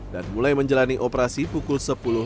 dan mulai menjalani operasi pukul sepuluh